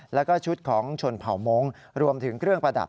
แล้วก็ชุดของชนเผ่ามงค์รวมถึงเครื่องประดับ